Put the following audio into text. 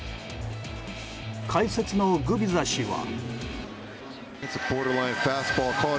解説のグビザ氏は。